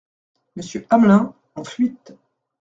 Monsieur Amelin, en fuite.